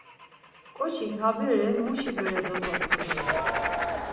Ǩoçik ha bere muşi bere dotzopxu doren.